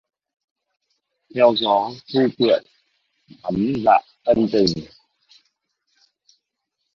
Theo gió thu quyện thắm dạ ân tình